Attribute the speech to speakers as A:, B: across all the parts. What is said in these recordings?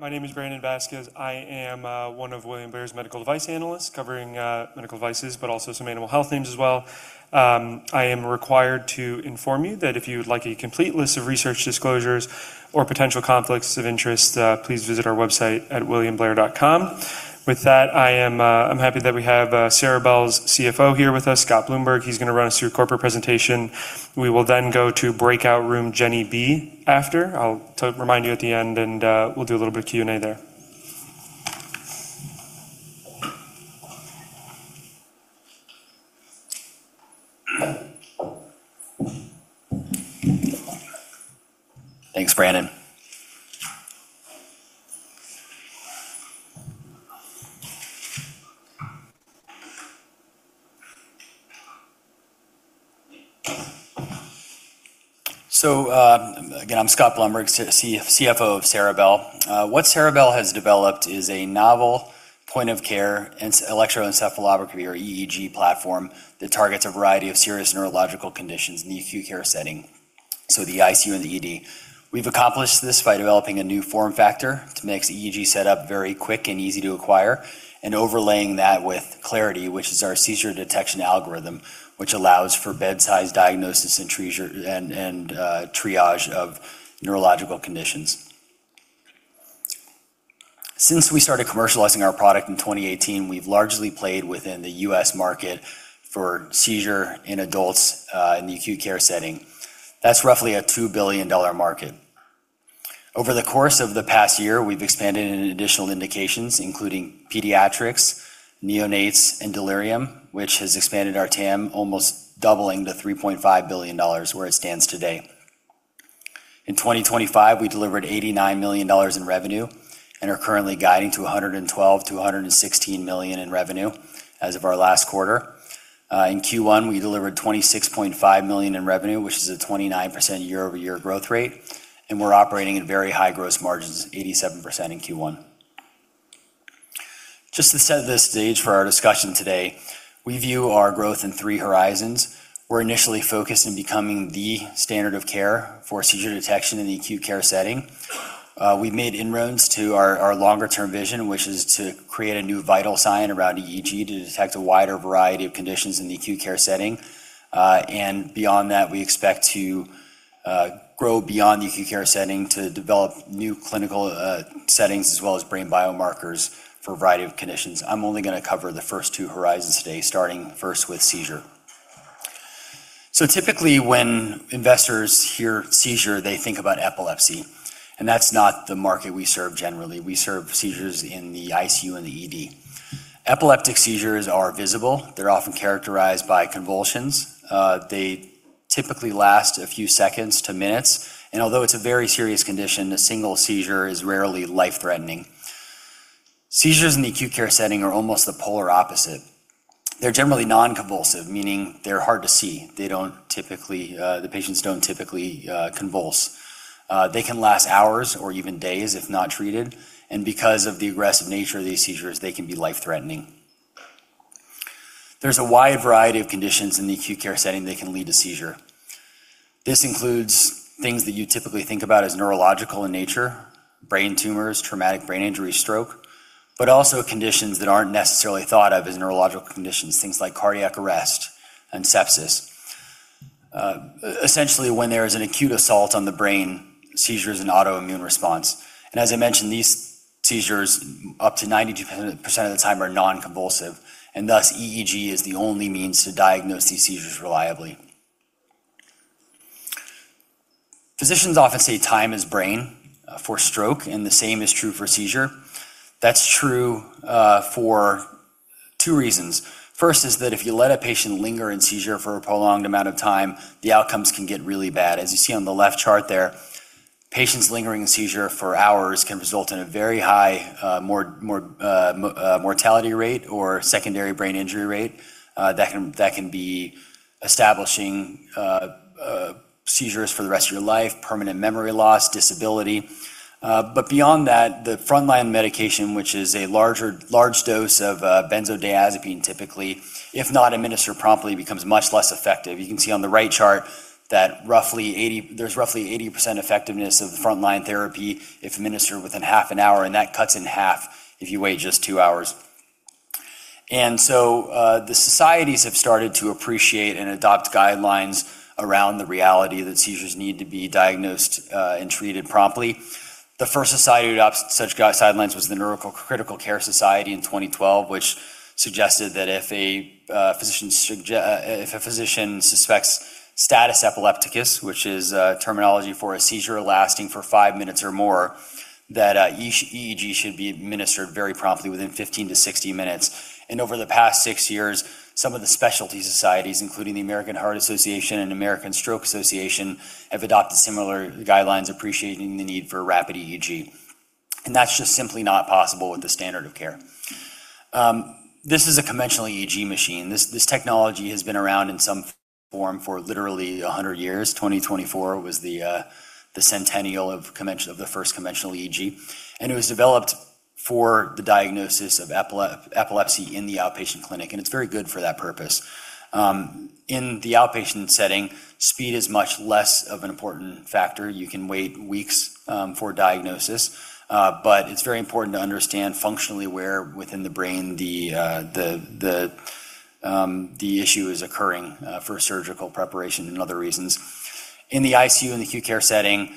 A: My name is Brandon Vasquez. I am one of William Blair's medical device analysts covering medical devices, but also some animal health themes as well. I am required to inform you that if you would like a complete list of research disclosures or potential conflicts of interest, please visit our website at williamblair.com. With that, I'm happy that we have Ceribell's CFO here with us, Scott Blumberg. He's going to run us through a corporate presentation. We will then go to breakout room Jenny B after. I'll remind you at the end, and we'll do a little bit of Q&A there.
B: Thanks, Brandon. Again, I'm Scott Blumberg, CFO of Ceribell. What Ceribell has developed is a novel point-of-care electroencephalography or EEG platform that targets a variety of serious neurological conditions in the acute care setting, so the ICU and the ED. We've accomplished this by developing a new form factor to make the EEG setup very quick and easy to acquire and overlaying that with Clarity, which is our seizure detection algorithm, which allows for bedside diagnosis and triage of neurological conditions. Since we started commercializing our product in 2018, we've largely played within the U.S. market for seizure in adults in the acute care setting. That's roughly a $2 billion market. Over the course of the past year, we've expanded in additional indications, including pediatrics, neonates, and delirium, which has expanded our TAM, almost doubling to $3.5 billion where it stands today. In 2025, we delivered $89 million in revenue and are currently guiding to $112 million-$116 million in revenue as of our last quarter. In Q1, we delivered $26.5 million in revenue, which is a 29% year-over-year growth rate, and we're operating at very high gross margins, 87% in Q1. Just to set the stage for our discussion today, we view our growth in three horizons. We're initially focused on becoming the standard of care for seizure detection in the acute care setting. We've made inroads to our longer-term vision, which is to create a new vital sign around EEG to detect a wider variety of conditions in the acute care setting. Beyond that, we expect to grow beyond the acute care setting to develop new clinical settings as well as brain biomarkers for a variety of conditions. I'm only going to cover the first two horizons today, starting first with seizure. Typically, when investors hear seizure, they think about epilepsy, and that's not the market we serve generally. We serve seizures in the ICU and the ED. Epileptic seizures are visible. They're often characterized by convulsions. They typically last a few seconds to minutes, and although it's a very serious condition, a single seizure is rarely life-threatening. Seizures in the acute care setting are almost the polar opposite. They're generally non-convulsive, meaning they're hard to see. The patients don't typically convulse. They can last hours or even days if not treated, and because of the aggressive nature of these seizures, they can be life-threatening. There's a wide variety of conditions in the acute care setting that can lead to seizure. This includes things that you typically think about as neurological in nature, brain tumors, traumatic brain injury, stroke, but also conditions that aren't necessarily thought of as neurological conditions, things like cardiac arrest and sepsis. Essentially, when there is an acute assault on the brain, seizure is an autoimmune response. As I mentioned, these seizures, up to 92% of the time, are non-convulsive, and thus EEG is the only means to diagnose these seizures reliably. Physicians often say time is brain for stroke, and the same is true for seizure. That's true for two reasons. First is that if you let a patient linger in seizure for a prolonged amount of time, the outcomes can get really bad. As you see on the left chart there, patients lingering in seizure for hours can result in a very high mortality rate or secondary brain injury rate that can be establishing seizures for the rest of your life, permanent memory loss, disability. Beyond that, the frontline medication, which is a large dose of benzodiazepine, typically, if not administered promptly, becomes much less effective. You can see on the right chart that there's roughly 80% effectiveness of the frontline therapy if administered within half an hour, and that cuts in half if you wait just two hours. The societies have started to appreciate and adopt guidelines around the reality that seizures need to be diagnosed and treated promptly. The first society to adopt such guidelines was the Neurocritical Care Society in 2012, which suggested that if a physician suspects status epilepticus, which is terminology for a seizure lasting for five minutes or more, that EEG should be administered very promptly within 15 to 60 minutes. Over the past six years, some of the specialty societies, including the American Heart Association and American Stroke Association, have adopted similar guidelines appreciating the need for rapid EEG, and that's just simply not possible with the standard of care. This is a conventional EEG machine. This technology has been around in some form for literally 100 years. 2024 was the centennial of the first conventional EEG, and it was developed for the diagnosis of epilepsy in the outpatient clinic, and it's very good for that purpose. In the outpatient setting, speed is much less of an important factor. You can wait weeks for a diagnosis. It's very important to understand functionally where within the brain the issue is occurring for surgical preparation and other reasons. In the ICU, in the acute care setting,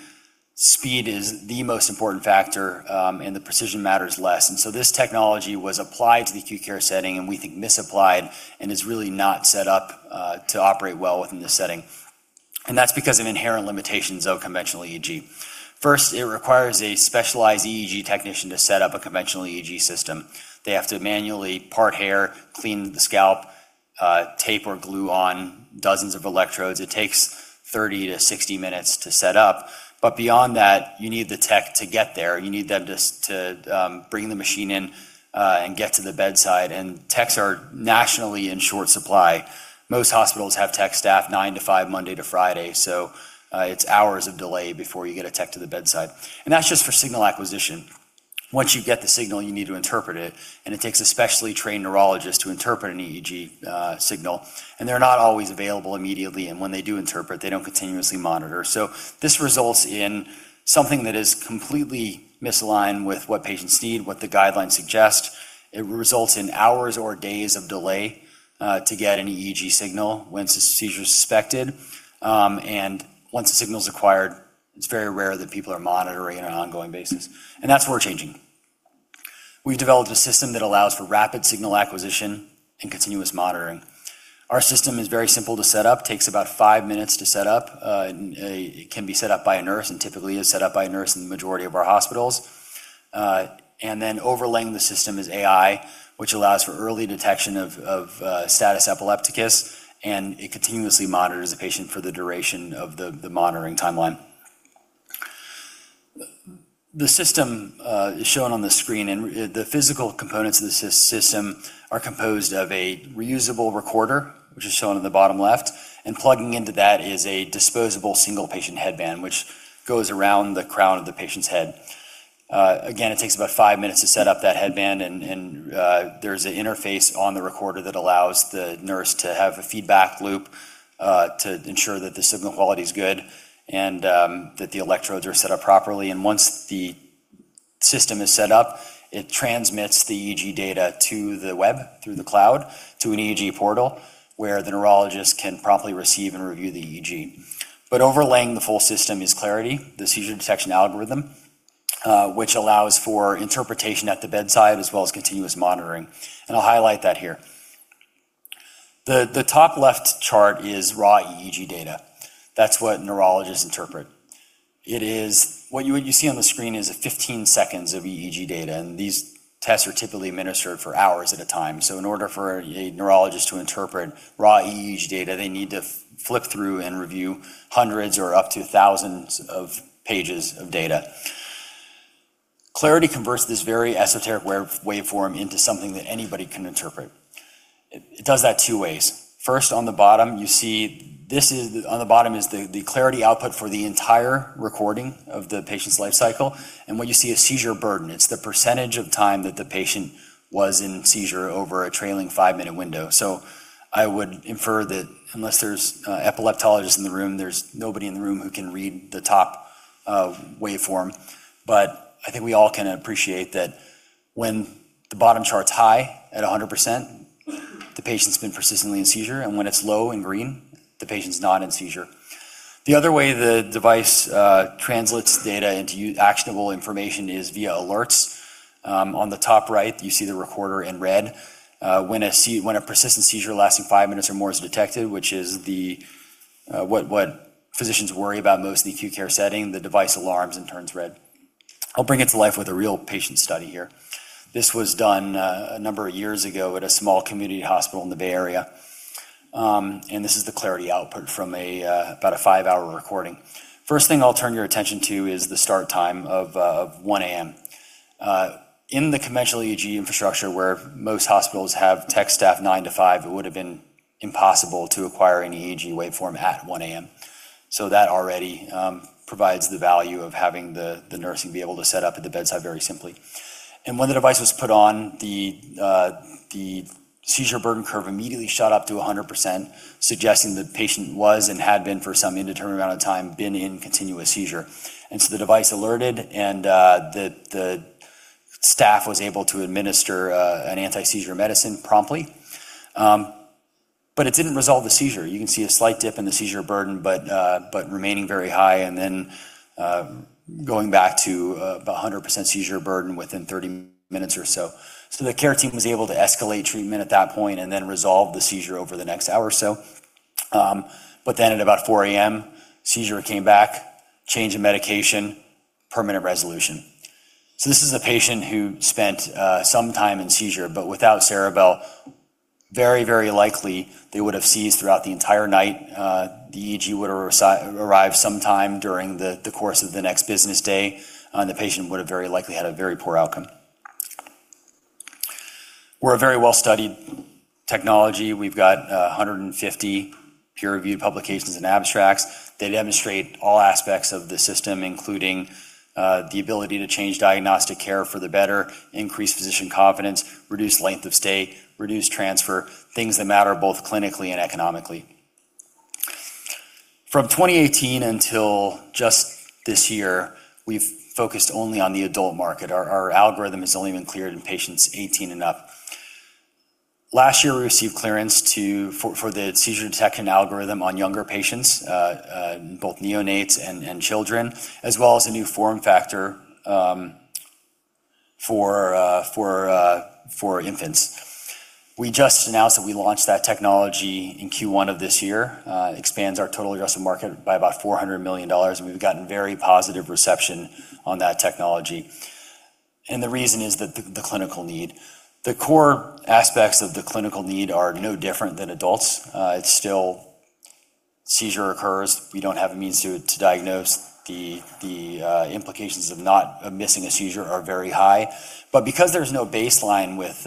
B: speed is the most important factor, and the precision matters less. This technology was applied to the acute care setting, and we think misapplied, and is really not set up to operate well within this setting. That's because of inherent limitations of conventional EEG. First, it requires a specialized EEG technician to set up a conventional EEG system. They have to manually part hair, clean the scalp, tape or glue on dozens of electrodes. It takes 30-60 minutes to set up. Beyond that, you need the tech to get there. You need them just to bring the machine in and get to the bedside. Techs are nationally in short supply. Most hospitals have tech staff 9:00 to 5:00, Monday to Friday, so it's hours of delay before you get a tech to the bedside. That's just for signal acquisition. Once you get the signal, you need to interpret it, and it takes a specially trained neurologist to interpret an EEG signal. They're not always available immediately, and when they do interpret, they don't continuously monitor. This results in something that is completely misaligned with what patients need, what the guidelines suggest. It results in hours or days of delay to get an EEG signal once a seizure is suspected. Once the signal is acquired, it's very rare that people are monitoring on an ongoing basis. That's where we're changing. We've developed a system that allows for rapid signal acquisition and continuous monitoring. Our system is very simple to set up, takes about five minutes to set up. It can be set up by a nurse and typically is set up by a nurse in the majority of our hospitals. Overlaying the system is AI, which allows for early detection of status epilepticus, and it continuously monitors the patient for the duration of the monitoring timeline. The system is shown on the screen, and the physical components of the system are composed of a reusable recorder, which is shown on the bottom left. Plugging into that is a disposable single-patient headband, which goes around the crown of the patient's head. It takes about five minutes to set up that headband, and there's an interface on the recorder that allows the nurse to have a feedback loop to ensure that the signal quality is good and that the electrodes are set up properly. Once the system is set up, it transmits the EEG data to the web through the cloud to an EEG portal, where the neurologist can promptly receive and review the EEG. Overlaying the full system is Clarity, the seizure detection algorithm, which allows for interpretation at the bedside as well as continuous monitoring. I'll highlight that here. The top left chart is raw EEG data. That's what neurologists interpret. What you see on the screen is 15 seconds of EEG data, and these tests are typically administered for hours at a time. In order for a neurologist to interpret raw EEG data, they need to flip through and review hundreds or up to thousands of pages of data. Clarity converts this very esoteric waveform into something that anybody can interpret. It does that two ways. First, on the bottom is the Clarity output for the entire recording of the patient's life cycle. What you see is seizure burden. It's the percentage of time that the patient was in seizure over a trailing five-minute window. I would infer that unless there's an epileptologist in the room, there's nobody in the room who can read the top waveform. I think we all can appreciate that when the bottom chart's high at 100%, the patient's been persistently in seizure, and when it's low and green, the patient's not in seizure. The other way the device translates data into actionable information is via alerts. On the top right, you see the recorder in red. When a persistent seizure lasting five minutes or more is detected, which is what physicians worry about most in the acute care setting, the device alarms and turns red. I'll bring it to life with a real patient study here. This was done a number of years ago at a small community hospital in the Bay Area. This is the Clarity output from about a five-hour recording. First thing I'll turn your attention to is the start time of 1:00 A.M. In the conventional EEG infrastructure, where most hospitals have tech staff 9:00 to 5:00, it would have been impossible to acquire an EEG waveform at 1:00 A.M. That already provides the value of having the nursing be able to set up at the bedside very simply. When the device was put on, the seizure burden curve immediately shot up to 100%, suggesting the patient was and had been for some indeterminate amount of time been in continuous seizure. The device alerted, and the staff was able to administer an anti-seizure medicine promptly. It didn't resolve the seizure. You can see a slight dip in the seizure burden, but remaining very high, and then going back to 100% seizure burden within 30 minutes or so. The care team was able to escalate treatment at that point and then resolve the seizure over the next hour or so. At about 4:00 A.M., seizure came back, change in medication, permanent resolution. This is a patient who spent some time in seizure, but without Ceribell, very likely they would have seized throughout the entire night. The EEG would arrive sometime during the course of the next business day, and the patient would have very likely had a very poor outcome. We're a very well-studied technology. We've got 150 peer-reviewed publications and abstracts. They demonstrate all aspects of the system, including the ability to change diagnostic care for the better, increase physician confidence, reduce length of stay, reduce transfer, things that matter both clinically and economically. From 2018 until just this year, we've focused only on the adult market. Our algorithm has only been cleared in patients 18 and up. Last year, we received clearance for the seizure detection algorithm on younger patients, both neonates and children, as well as a new form factor for infants. We just announced that we launched that technology in Q1 of this year. It expands our total addressable market by about $400 million, and we've gotten very positive reception on that technology. The reason is the clinical need. The core aspects of the clinical need are no different than adults. It's still seizure occurs. We don't have a means to diagnose. The implications of missing a seizure are very high. Because there's no baseline with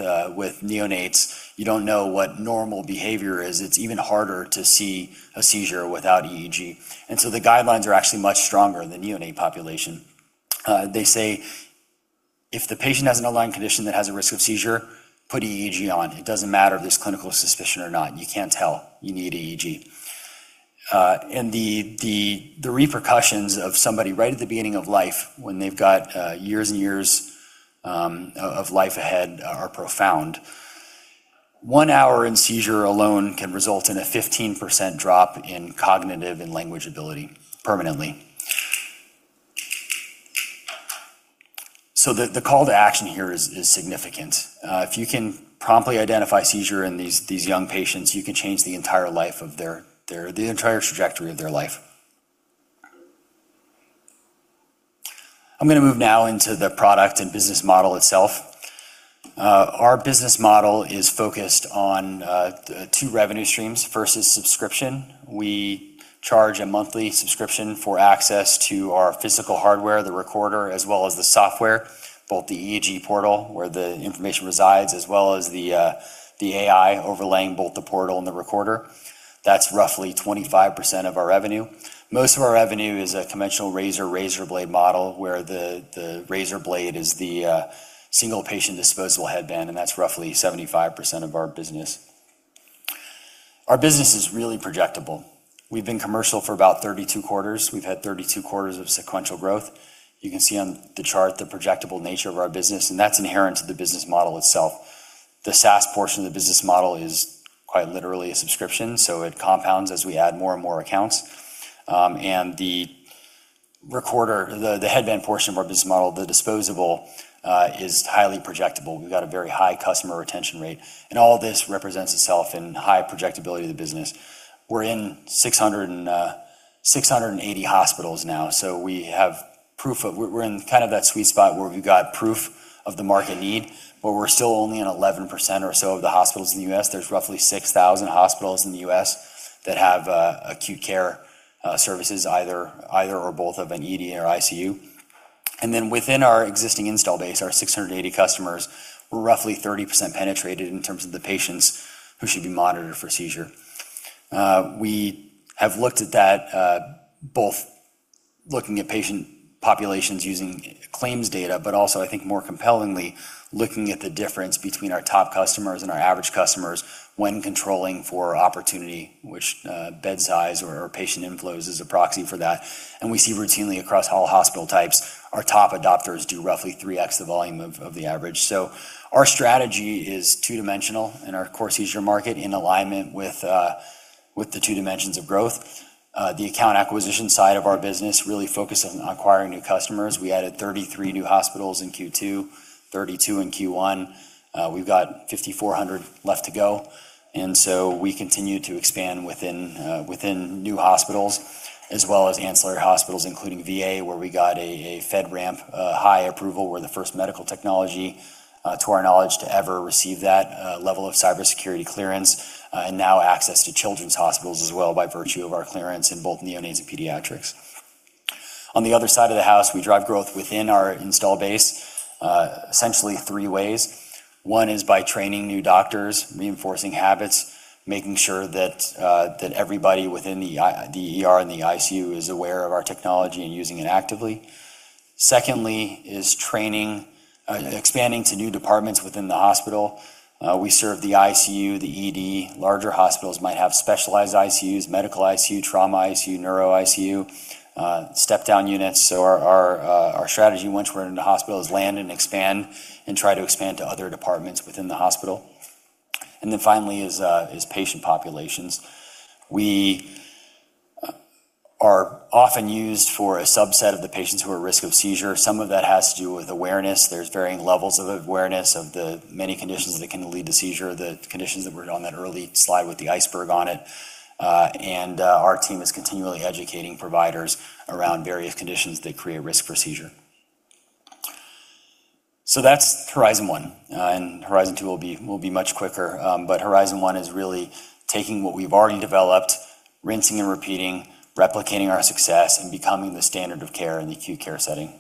B: neonates, you don't know what normal behavior is. It's even harder to see a seizure without EEG. The guidelines are actually much stronger in the neonate population. They say if the patient has an underlying condition that has a risk of seizure, put EEG on. It doesn't matter if there's clinical suspicion or not, you can't tell. You need EEG. The repercussions of somebody right at the beginning of life, when they've got years and years of life ahead, are profound. One hour in seizure alone can result in a 15% drop in cognitive and language ability permanently. The call to action here is significant. If you can promptly identify seizure in these young patients, you can change the entire trajectory of their life. I'm going to move now into the product and business model itself. Our business model is focused on two revenue streams. First is subscription. We charge a monthly subscription for access to our physical hardware, the recorder, as well as the software, both the EEG portal, where the information resides, as well as the AI overlaying both the portal and the recorder. That's roughly 25% of our revenue. Most of our revenue is a conventional razor/razor blade model, where the razor blade is the single-patient disposal headband, and that's roughly 75% of our business. Our business is really projectable. We've been commercial for about 32 quarters. We've had 32 quarters of sequential growth. You can see on the chart the projectable nature of our business, and that's inherent to the business model itself. The SaaS portion of the business model is quite literally a subscription, so it compounds as we add more and more accounts. The recorder, the headband portion of our business model, the disposable, is highly projectable. We've got a very high customer retention rate, and all this represents itself in high projectability of the business. We're in 680 hospitals now. We're in that sweet spot where we've got proof of the market need, but we're still only in 11% or so of the hospitals in the U.S. There's roughly 6,000 hospitals in the U.S. that have acute care services, either or both of an ED or ICU. Within our existing install base, our 680 customers, we're roughly 30% penetrated in terms of the patients who should be monitored for seizure. We have looked at that, both looking at patient populations using claims data, but also I think more compellingly, looking at the difference between our top customers and our average customers when controlling for opportunity, which bed size or patient inflows is a proxy for that. We see routinely across all hospital types, our top adopters do roughly 3x the volume of the average. Our strategy is two-dimensional in our core seizure market in alignment with the two dimensions of growth. The account acquisition side of our business really focuses on acquiring new customers. We added 33 new hospitals in Q2, 32 in Q1. We've got 5,400 left to go. We continue to expand within new hospitals as well as ancillary hospitals, including VA, where we got a FedRAMP High approval. We're the first medical technology, to our knowledge, to ever receive that level of cybersecurity clearance, and now access to children's hospitals as well by virtue of our clearance in both neonates and pediatrics. On the other side of the house, we drive growth within our install base, essentially three ways. One is by training new doctors, reinforcing habits, making sure that everybody within the ER and the ICU is aware of our technology and using it actively. Secondly is training, expanding to new departments within the hospital. We serve the ICU, the ED. Larger hospitals might have specialized ICUs, medical ICU, trauma ICU, neuro ICU, step-down units. Our strategy once we're into a hospital is land and expand and try to expand to other departments within the hospital. Finally is patient populations. We are often used for a subset of the patients who are at risk of seizure. Some of that has to do with awareness. There's varying levels of awareness of the many conditions that can lead to seizure, the conditions that were on that early slide with the iceberg on it. Our team is continually educating providers around various conditions that create risk for seizure. That's Horizon One, and Horizon Two will be much quicker. Horizon One is really taking what we've already developed. Rinsing and repeating, replicating our success and becoming the standard of care in the acute care setting.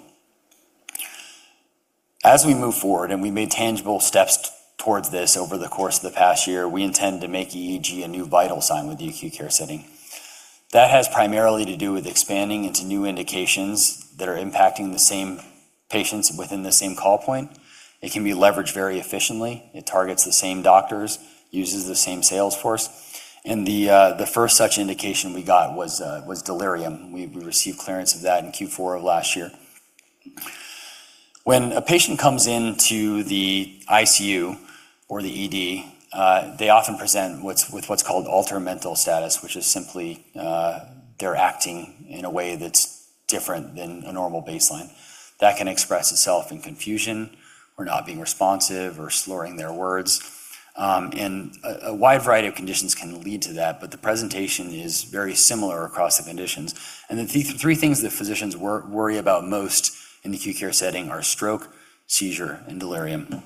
B: As we move forward, and we've made tangible steps towards this over the course of the past year, we intend to make EEG a new vital sign with the acute care setting. That has primarily to do with expanding into new indications that are impacting the same patients within the same call point. It can be leveraged very efficiently. It targets the same doctors, uses the same sales force. The first such indication we got was delirium. We received clearance of that in Q4 of last year. When a patient comes into the ICU or the ED, they often present with what's called altered mental status, which is simply they're acting in a way that's different than a normal baseline. That can express itself in confusion or not being responsive or slurring their words. A wide variety of conditions can lead to that, but the presentation is very similar across the conditions. The three things that physicians worry about most in the acute care setting are stroke, seizure, and delirium.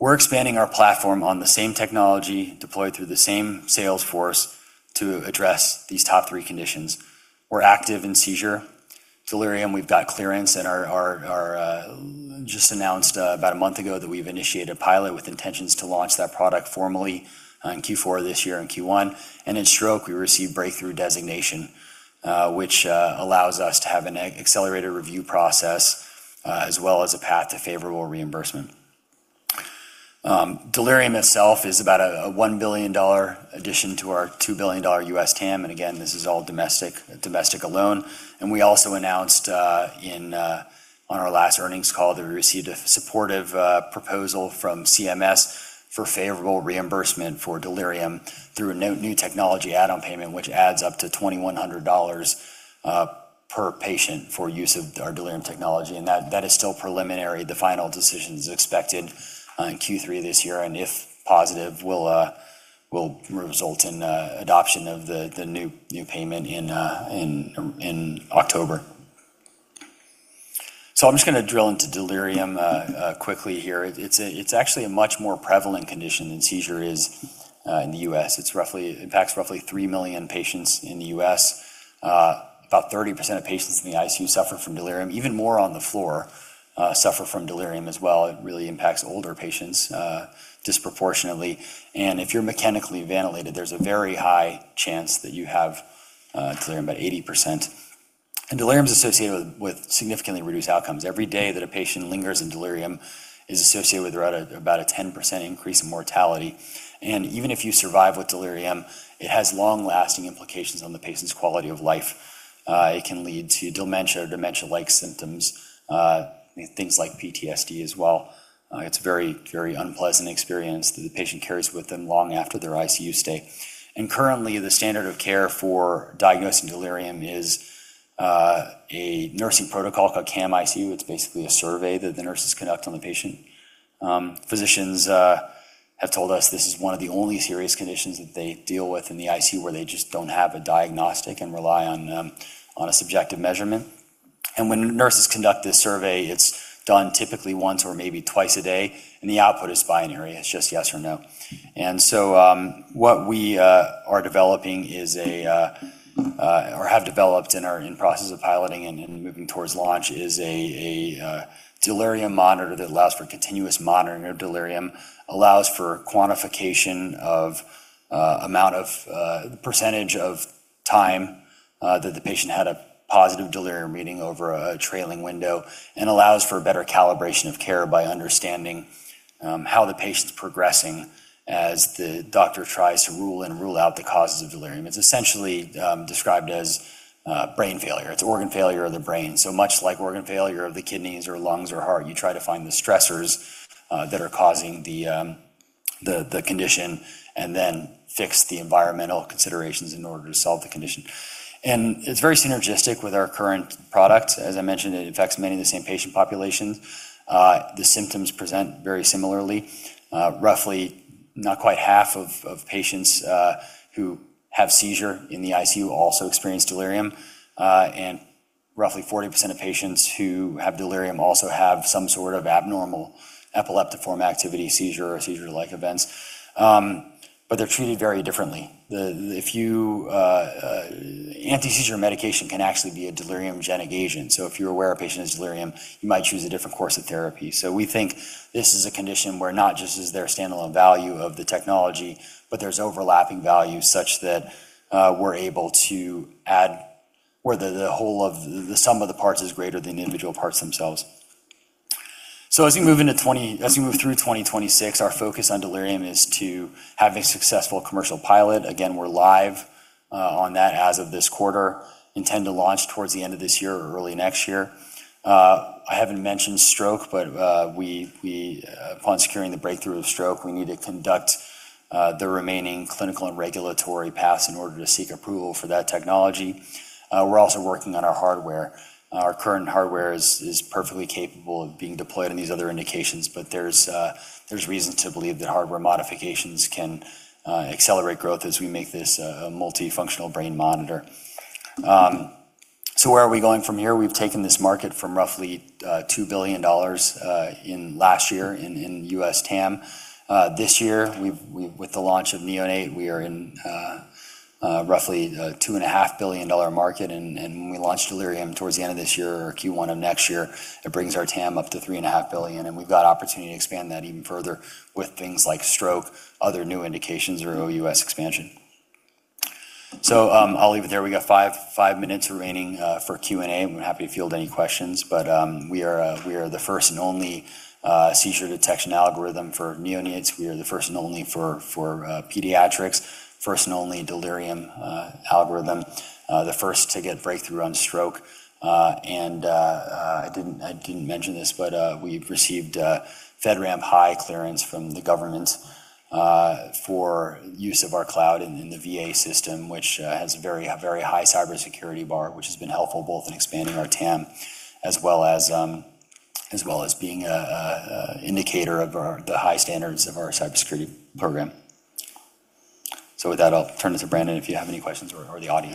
B: We're expanding our platform on the same technology, deployed through the same sales force, to address these top three conditions. We're active in seizure. Delirium, we've got clearance and just announced about a month ago that we've initiated a pilot with intentions to launch that product formally in Q4 of this year and Q1. In stroke, we received breakthrough designation, which allows us to have an accelerated review process, as well as a path to favorable reimbursement. Delirium itself is about a $1 billion addition to our $2 billion U.S. TAM. Again, this is all domestic alone. We also announced on our last earnings call that we received a supportive proposal from CMS for favorable reimbursement for delirium through a New Technology Add-on Payment, which adds up to $2,100 per patient for use of our delirium technology. That is still preliminary. The final decision is expected in Q3 of this year, and if positive, will result in adoption of the new payment in October. I'm just going to drill into delirium quickly here. It's actually a much more prevalent condition than seizure is in the U.S. It impacts roughly 3 million patients in the U.S. About 30% of patients in the ICU suffer from delirium. Even more on the floor suffer from delirium as well. It really impacts older patients disproportionately. If you're mechanically ventilated, there's a very high chance that you have delirium, about 80%. Delirium's associated with significantly reduced outcomes. Every day that a patient lingers in delirium is associated with about a 10% increase in mortality. Even if you survive with delirium, it has long-lasting implications on the patient's quality of life. It can lead to dementia or dementia-like symptoms, things like PTSD as well. It's a very unpleasant experience that the patient carries with them long after their ICU stay. Currently, the standard of care for diagnosing delirium is a nursing protocol called CAM-ICU. It's basically a survey that the nurses conduct on the patient. Physicians have told us this is one of the only serious conditions that they deal with in the ICU where they just don't have a diagnostic and rely on a subjective measurement. When nurses conduct this survey, it's done typically once or maybe twice a day, and the output is binary. It's just yes or no. What we are developing, or have developed and are in the process of piloting and moving towards launch, is a delirium monitor that allows for continuous monitoring of delirium, allows for quantification of percentage of time that the patient had a positive delirium reading over a trailing window, and allows for better calibration of care by understanding how the patient's progressing as the doctor tries to rule and rule out the causes of delirium. It's essentially described as brain failure. It's organ failure of the brain. Much like organ failure of the kidneys or lungs or heart, you try to find the stressors that are causing the condition and then fix the environmental considerations in order to solve the condition. It's very synergistic with our current product. As I mentioned, it affects many of the same patient populations. The symptoms present very similarly. Roughly, not quite half of patients who have seizure in the ICU also experience delirium. Roughly 40% of patients who have delirium also have some sort of abnormal epileptiform activity, seizure, or seizure-like events. They're treated very differently. Anti-seizure medication can actually be a deliriogenic agent. If you're aware a patient has delirium, you might choose a different course of therapy. We think this is a condition where not just is there standalone value of the technology, but there's overlapping value such that we're able to add where the sum of the parts is greater than the individual parts themselves. As we move through 2026, our focus on delirium is to have a successful commercial pilot. We're live on that as of this quarter, intend to launch towards the end of 2026 or early 2027. I haven't mentioned stroke, upon securing the breakthrough of stroke, we need to conduct the remaining clinical and regulatory paths in order to seek approval for that technology. We're also working on our hardware. Our current hardware is perfectly capable of being deployed in these other indications, there's reason to believe that hardware modifications can accelerate growth as we make this a multifunctional brain monitor. Where are we going from here? We've taken this market from roughly $2 billion in 2025 in U.S. TAM. This year, with the launch of neonate, we are in roughly a $2.5 billion market. When we launch Delirium towards the end of 2026 or Q1 of 2027, it brings our TAM up to $3.5 billion. We've got opportunity to expand that even further with things like stroke, other new indications, or OUS expansion. I'll leave it there. We got five minutes remaining for Q&A, and we're happy to field any questions. We are the first and only seizure detection algorithm for neonates. We are the first and only for pediatrics, first and only delirium algorithm, the first to get breakthrough on stroke. I didn't mention this, but we've received FedRAMP High clearance from the government for use of our cloud in the VA system, which has a very high cybersecurity bar, which has been helpful both in expanding our TAM as well as being an indicator of the high standards of our cybersecurity program. With that, I'll turn it to Brandon if you have any questions or the audience.